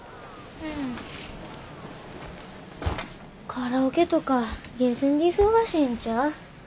カラオケとかゲーセンで忙しいんちゃう？